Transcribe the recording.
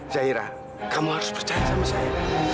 zaira kamu harus percaya sama saya